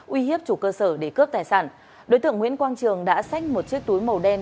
uy hiếp chủ cơ sở để cướp tài sản đối tượng nguyễn quang trường đã xách một chiếc túi màu đen